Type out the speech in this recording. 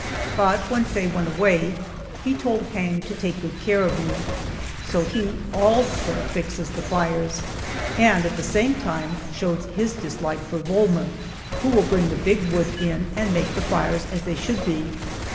But when Faye went away he told Hang to take good care of me so he, also, fixes the fires, and at the same time shows his dislike for Volmer, who will bring the big wood in and make the fires as they should be.